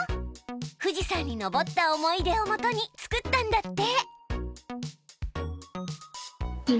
富士山に登った思い出をもとに作ったんだって。